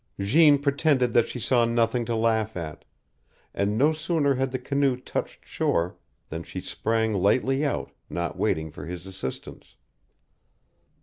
Jeanne pretended that she saw nothing to laugh at, and no sooner had the canoe touched shore than she sprang lightly out, not waiting for his assistance.